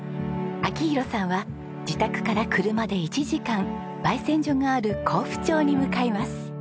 明宏さんは自宅から車で１時間焙煎所がある江府町に向かいます。